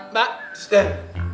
mbak disini deh